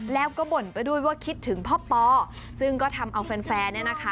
แล้วก็บ่นไปด้วยว่าคิดถึงพ่อปอซึ่งก็ทำเอาแฟนแฟนเนี่ยนะคะ